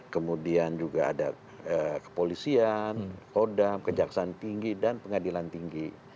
kemudian juga ada kepolisian kodam kejaksaan tinggi dan pengadilan tinggi